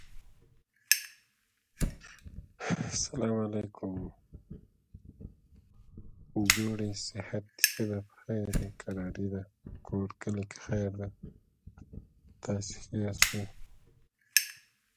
Some of his artwork was acquired by the Springville Museum of Art.